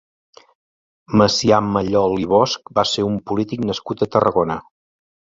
Macià Mallol i Bosch va ser un polític nascut a Tarragona.